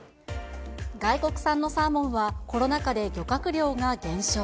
外国産のサーモンは、コロナ禍で漁獲量が減少。